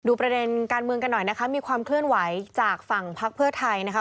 ประเด็นการเมืองกันหน่อยนะคะมีความเคลื่อนไหวจากฝั่งพักเพื่อไทยนะคะ